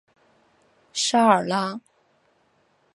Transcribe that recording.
沙尔拉。